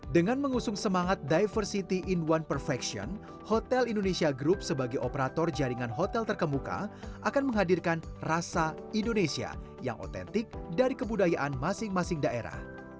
dengan mengusung semangat diversity in one perfection hotel indonesia group sebagai operator jaringan hotel terkemuka akan menghadirkan rasa indonesia yang otentik dari kebudayaan masing masing daerah